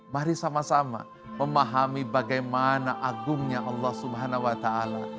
mari sama sama memahami bagaimana agungnya allah subhanahu wa ta'ala